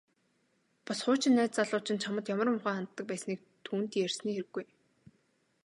Бас хуучин найз залуу чинь чамд ямар муухай ханддаг байсныг түүнд ярьсны хэрэггүй.